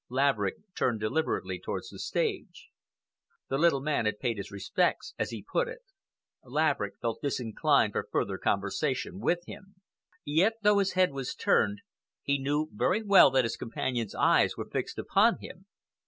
Laverick turned deliberately towards the stage. The little man had paid his respects, as he put it. Laverick felt disinclined for further conversation with him. Yet, though his head was turned, he knew very well that his companion's eyes were fixed upon him.